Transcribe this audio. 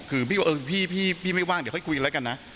คือพี่ไม่ว่างเดี๋ยวค่อยคุยกันแล้วกันนะ